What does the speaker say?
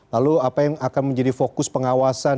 lalu apa yang akan menjadi fokus pengawasan